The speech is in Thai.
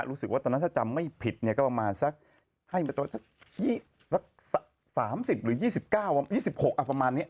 รู้สึกว่าตอนนั้นถ้าจำไม่ผิดเนี่ยก็ประมาณสักให้มาสัก๓๐หรือ๒๙๒๖ประมาณนี้